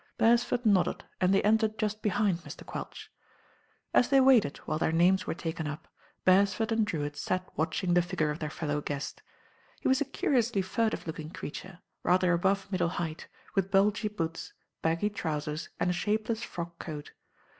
Beresford nodded, and they entered just behind Mr. Quelch. As they waited while their names were taken up, Beresford and Drewitt sat watching the figure of their fellow guest. He was a curiously furtive look ing creature, rather above middle height, with bulgy boots, baggy trousers and a shapeless frock coat.